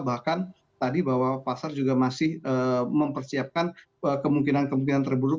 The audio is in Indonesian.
bahkan tadi bahwa pasar juga masih mempersiapkan kemungkinan kemungkinan terburuk